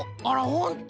ほんと。